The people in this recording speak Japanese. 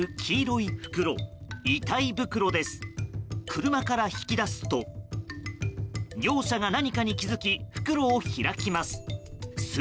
車から引き出すと業者が何かに気づき袋を開きます。